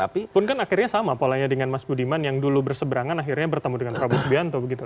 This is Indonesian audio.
tapi pun kan akhirnya sama polanya dengan mas budiman yang dulu berseberangan akhirnya bertemu dengan prabowo subianto begitu